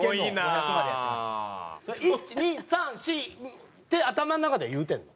それ「１２３４」って頭の中では言うてるの？